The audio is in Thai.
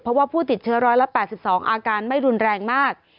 เพราะว่าผู้ติดเชื้อ๑๘๒อาการไม่รุนแรงมาก